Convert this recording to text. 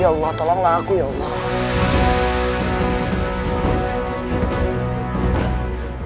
ya allah tolonglah aku ya allah